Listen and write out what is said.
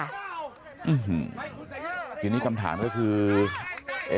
อื้อฮือทีนี้คำถามก็คือ